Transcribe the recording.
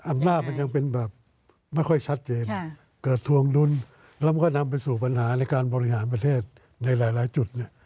อำนาจมันยังเป็นแบบไม่ค่อยชัดเจนเกิดทวงดุลแล้วมันก็นำไปสู่ปัญหาในการบริหารประเทศในหลายจุดเนี่ย